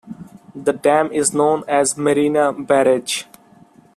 The dam is known as Marina Barrage.